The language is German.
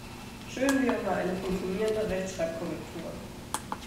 Schön wäre mal eine funktionierende Rechtschreibkorrektur.